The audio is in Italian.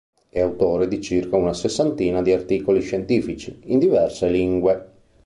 È autore di circa una sessantina di articoli scientifici, in diverse lingue.